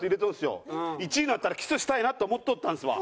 １位になったらキスしたいなと思っとったんですわ。